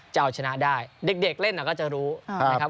จะเอาชนะได้เด็กเล่นก็จะรู้นะครับ